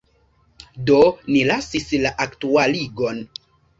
Do ni lasis la aktualigon.